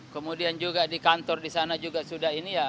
kemudian juga di kantor di sana juga sudah ini ya